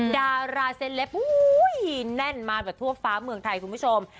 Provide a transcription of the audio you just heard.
ดาราเซลปแน่นมาแบบทั่วฟ้าเมืองไทยคุณผู้ชม